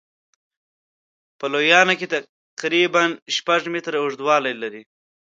په لویانو کې تقریبا شپږ متره اوږدوالی لري.